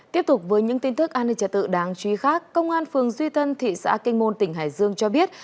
tiếp tục với những tin thức an ninh trả tự đáng truy khác công an phường duy tân thị xã kinh môn tỉnh hải dương cho biết